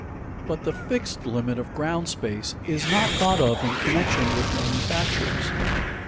But the fixed limit of ground space is not thought of in connection with manufactures.